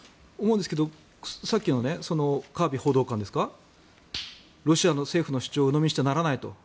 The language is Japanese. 思うんですけどさっきのカービー報道官ですかロシアの政府の主張をうのみにしてはならないと。